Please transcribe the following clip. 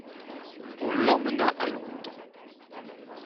On l’emmena à Londres.